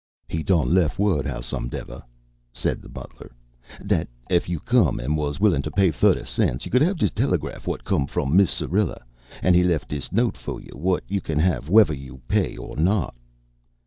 "He done lef word, howsomedever," said the butler, "dat ef you come an' was willin' to pay thutty cents you could have dis telegraf whut come from Mis' Syrilla. An' he lef dis note fo' you, whut you can have whever you pay or not."